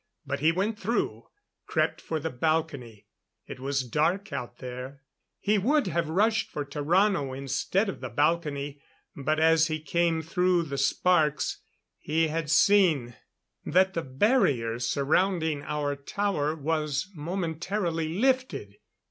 But he went through; crept for the balcony. It was dark out there. He would have rushed for Tarrano instead of the balcony, but as he came through the sparks he had seen that the barrier surrounding our tower was momentarily lifted.